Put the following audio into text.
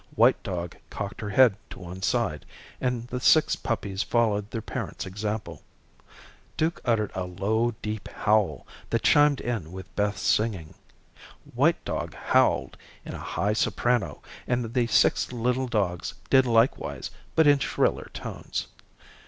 White dog cocked her head to one side, and the six puppies followed their parents' example. Duke uttered a low deep howl that chimed in with Beth's singing. White dog howled in a high soprano and the six little dogs did likewise, but in shriller tones.